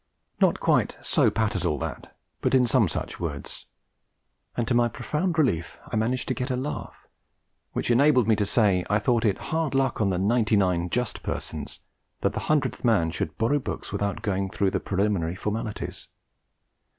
Not quite so pat as all that, but in some such words (and to my profound relief) I managed to get a laugh, which enabled me to say I thought it hard luck on the ninety and nine just persons that the hundredth man should borrow books without going through the preliminary formalities.